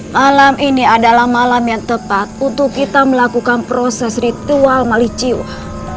malam ini adalah malam yang tepat untuk kita melakukan proses ritual maliciuh